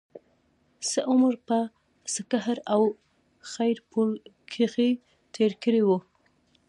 څۀ عمر پۀ سکهر او خېر پور کښې تير کړے وو